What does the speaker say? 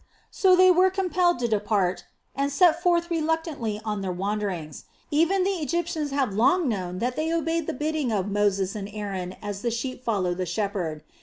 So they were compelled to depart, and set forth reluctantly on their wanderings. Even the Egyptians have long known that they obeyed the bidding of Moses and Aaron as the sheep follow the shepherd.